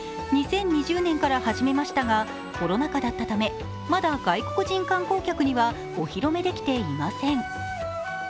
２０２０年から始めましたがコロナ禍だったためまだ外国人観光客にはお披露目できていません。